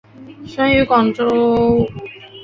生于广东广州。